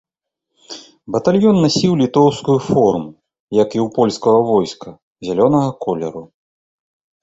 Батальён насіў літоўскую форму, як і ў польскага войска, зялёнага колеру.